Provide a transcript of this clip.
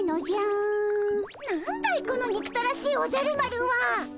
なんだいこのにくたらしいおじゃる丸は。